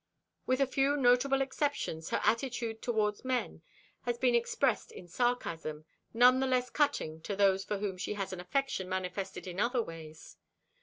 With a few notable exceptions, her attitude toward men has been expressed in sarcasm, none the less cutting to those for whom she has an affection manifested in other ways.